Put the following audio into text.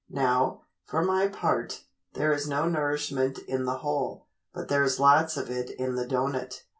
Now, for my part, there is no nourishment in the hole, but there's lots of it in the doughnut."